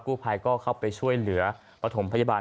กู้ไพรก็เข้าไปช่วยเหลือปกรณ์